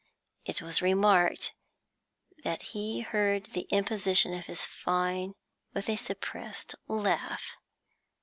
It was remarked that he heard the imposition of his fine with a suppressed laugh.